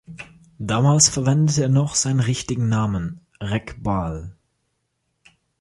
Damals verwendete er noch seinen richtigen Namen Reg Ball.